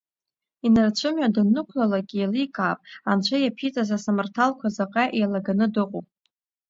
Инарцәымҩа даннықәалалак еиликаап анцәа иаԥиҵаз асамарҭалқәа заҟа еилаганы дыҟоу.